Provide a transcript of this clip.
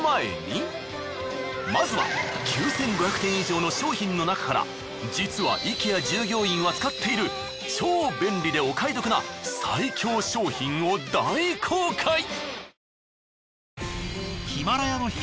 まずは９，５００点以上の商品の中から実はイケア従業員は使っている超便利でお買い得な最強商品を大公開！